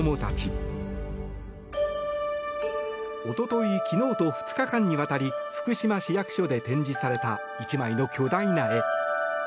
おととい、昨日と２日間にわたり福島市役所で展示された１枚の巨大な絵。